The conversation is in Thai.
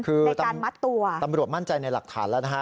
คือการมัดตัวตำรวจมั่นใจในหลักฐานแล้วนะฮะ